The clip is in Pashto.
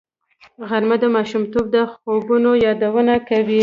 غرمه د ماشومتوب د خوبونو یادونه کوي